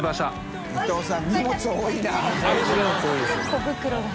小袋が。